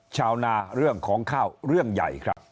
ชาวนาเรื่องของข้าวเรื่องใหญ่ครับ